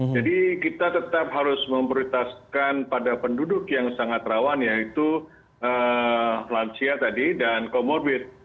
jadi kita tetap harus memperintahkan pada penduduk yang sangat rawan yaitu lansia tadi dan comorbid